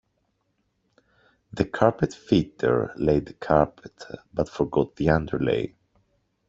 The carpet fitter laid the carpet, but forgot the underlay